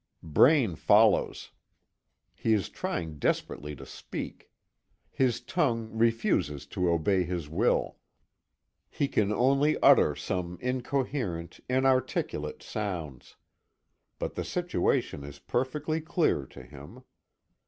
Braine follows. He is trying desperately to speak. His tongue refuses to obey his will. He can only utter some incoherent, inarticulate sounds. But the situation is perfectly clear to him.